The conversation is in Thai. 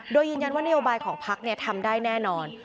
โดยยืนยันว่านโยบายของพักทำได้แน่นอน